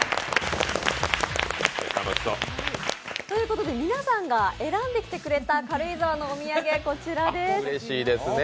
ということで、皆さんが選んできたくれた軽井沢のお土産、こちらです。